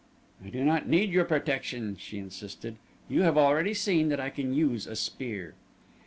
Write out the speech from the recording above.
"I do not need your protection," she insisted. "You have already seen that I can use a spear."